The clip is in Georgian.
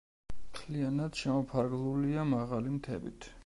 მთლიანად შემოფარგლულია მაღალი მთებით.